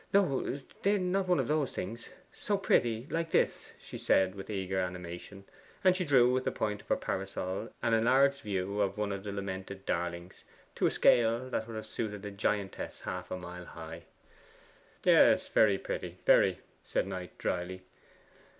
'No; they were not one of those things. So pretty like this,' she said with eager animation. And she drew with the point of her parasol an enlarged view of one of the lamented darlings, to a scale that would have suited a giantess half a mile high. 'Yes, very pretty very,' said Knight dryly.